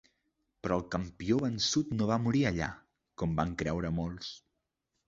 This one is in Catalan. Però el campió vençut no va morir allà, com van creure molts.